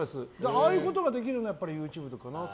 ああいうことができるのはやっぱりＹｏｕＴｕｂｅかなと。